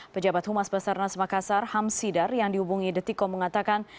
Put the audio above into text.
pejabat humas basarnas makassar ham sidar yang dihubungi detikom mengatakan